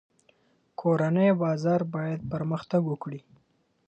کورني بازار باید پرمختګ وکړي.